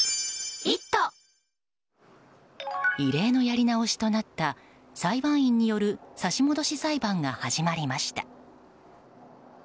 異例のやり直しとなった裁判員による差し戻し裁判が始まりました。